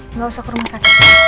nggak usah ke rumah sakit